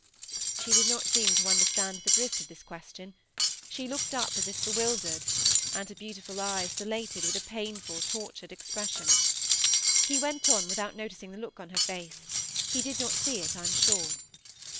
She did not seem to understand the drift of this question; she looked up as if bewildered, and her beautiful eyes dilated with a painful, tortured expression. He went on, without noticing the look on her face; he did not see it, I am sure.